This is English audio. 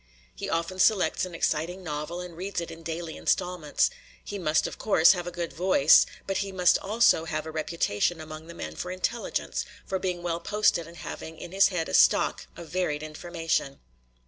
He often selects an exciting novel and reads it in daily installments. He must, of course, have a good voice, but he must also have a reputation among the men for intelligence, for being well posted and having in his head a stock of varied information.